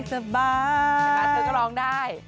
จริงเธอก็ร้องได้